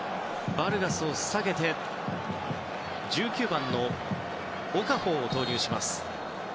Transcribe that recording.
バルガスを下げて１９番のオカフォーを投入します。